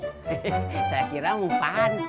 hehehe saya kira mau pantut